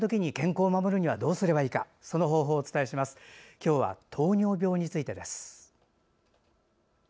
今日は糖尿病についてです。